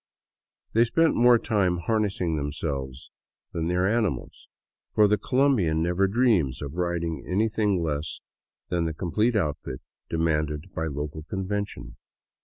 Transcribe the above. They spent more time harnessing themselves than their animals; for the Colombian never dreams of riding in anything less than the complete outfit demanded by local convention.